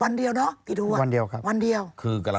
วันเดียวเนาะวันเดียวครับ